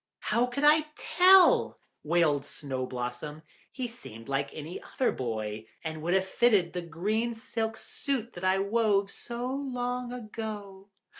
"How could I tell," wailed Snow blossom. "He seemed like any other boy, and would just have fitted the green silk suit that I wove so long ago."